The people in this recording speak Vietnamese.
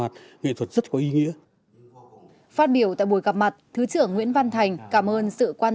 nghệ thuật rất có ý nghĩa phát biểu tại buổi gặp mặt thứ trưởng nguyễn văn thành cảm ơn sự quan